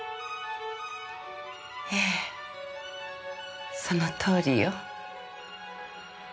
ええそのとおりよ。